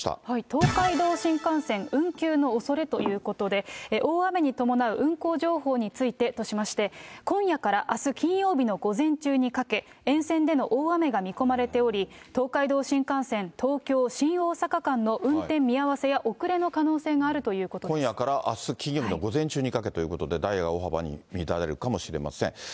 東海道新幹線運休のおそれということで、大雨に伴う運行情報についてとしまして、今夜からあす金曜日の午前中にかけ、沿線での大雨が見込まれており、東海道新幹線東京・新大阪間の運転見合わせや、遅れの可能性があ今夜からあす金曜日の午前中にかけてということで、ダイヤは大幅に乱れるかもしれません。